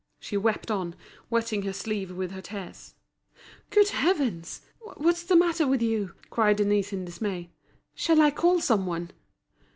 She wept on, wetting her sleeve with her tears. "Good heavens! what's the matter with you?" cried Denise in dismay. "Shall I call some one?"